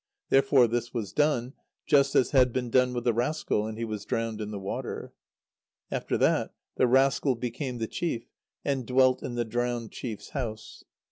Therefore this was done, just as had been done with the rascal, and he was drowned in the water. After that, the rascal became the chief, and dwelt in the drowned chief's house.